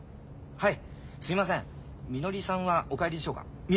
はい？